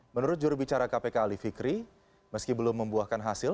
menurut jurubicara kpk ali fikri meski belum membuahkan hasil